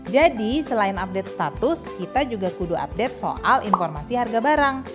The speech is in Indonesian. jadi selain update status kita juga kudu update soal informasi harga barang